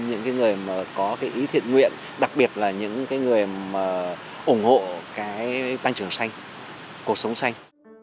những người có ý thiện nguyện đặc biệt là những người ủng hộ tăng trưởng xanh cuộc sống xanh